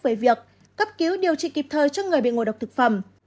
về việc cấp cứu điều trị kịp thời cho người bị ngộ độc thực phẩm